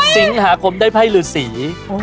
สิงหาคมได้ไพ่หรือสี